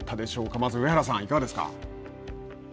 まず上原さん、いかがですか。